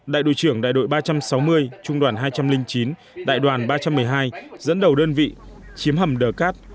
đại đội trưởng đại đội ba trăm sáu mươi trung đoàn hai trăm linh chín đại đoàn ba trăm một mươi hai dẫn đầu đơn vị chiếm hầm đờ cát